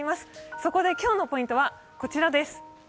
そこで今日のポイントはこちらです。